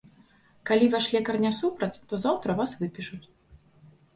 Калі ваш лекар не супраць, то заўтра вас выпішуць.